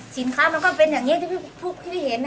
สินค้ามันก็เป็นอย่างนี้ที่เห็น